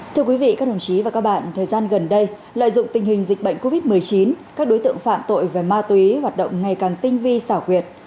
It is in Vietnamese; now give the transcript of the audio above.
thưa quý vị các đồng chí và các bạn thời gian gần đây lợi dụng tình hình dịch bệnh covid một mươi chín các đối tượng phạm tội về ma túy hoạt động ngày càng tinh vi xảo quyệt